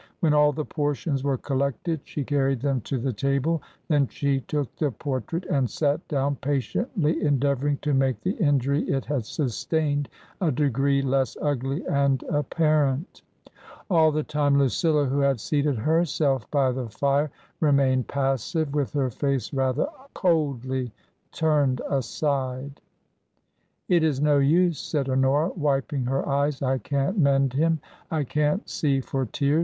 When all the portions were collected she car ried them to the table ; then she took the portrait and sat down, patiently endeavouring to make the injury it had sustained a degree less ugly and apparent. All the time Lucilla, who had seated herself by the fire, re mained passive, with her face rather coldly turned aside. " It is no use," said Honora, wiping her eyes. " I can't mend him. I can't see for tears.